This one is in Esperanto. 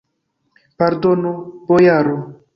Pardonu, bojaro!